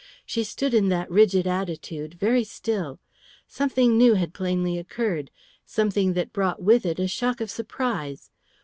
She stood in that rigid attitude, very still. Something new had plainly occurred, something that brought with it a shock of surprise.